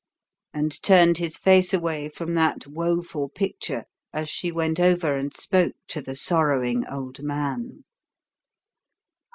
And turned his face away from that woeful picture as she went over and spoke to the sorrowing old man.